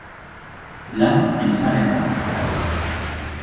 Là il s’arrêta.